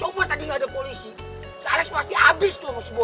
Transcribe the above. coba tadi gaada polisi si alex pasti abis tuh sama si boy